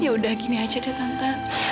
yaudah gini aja deh tante